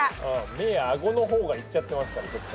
目や顎のほうがいっちゃってますから。